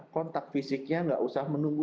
kontak fisiknya nggak usah menunggu